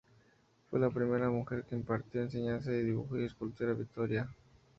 Fue la primera mujer que impartió enseñanza de dibujo y escultura en Vitoria.